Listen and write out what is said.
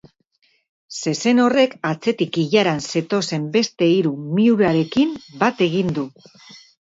Zezen horrek atzetik ilaran zetozen beste hiru miurarekin bat egin du.